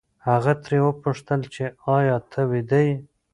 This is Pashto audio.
هغه ترې وپوښتل چې ایا ته ویده یې؟